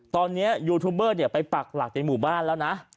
ตอนนี้ยูทูบเบอร์ไปปักหลักในหมู่บ้านแล้วนะ